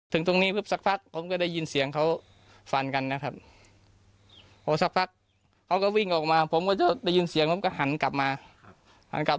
ถึงตรงนี้เพิ่งสักพักผมก็ได้ยินเสียงเขาฟันกันนะครับ